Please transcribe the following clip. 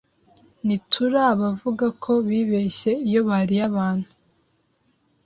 ntitura bavuga ko bibeshye iyo bariye abantu